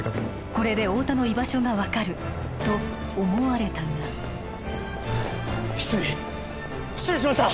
これで太田の居場所が分かると思われたが失尾失尾しました！